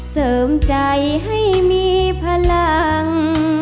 เสริมใจให้มีพลัง